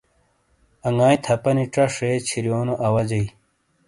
انگاٸی تھاپانی ژہ شے چھِیریونو اواجئی۔